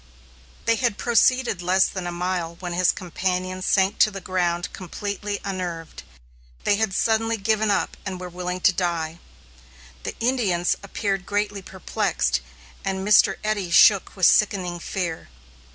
They had proceeded less than a mile when his companions sank to the ground completely unnerved. They had suddenly given up and were willing to die. The Indians appeared greatly perplexed, and Mr. Eddy shook with sickening fear.